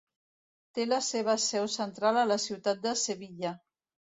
Té la seva seu central a la ciutat de Sevilla.